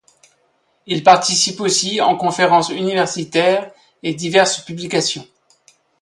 Il participe aussi en conférences universitaires et diverses publications.